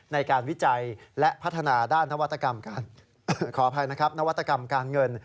ในการวิจัยและพัฒนาด้านนวัตกรรมการเงิน